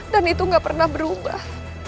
dan itu gak pernah berubah